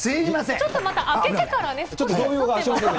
ちょっとまた開けてから、少し。